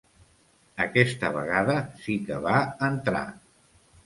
Aquesta vegada sí que va entrar.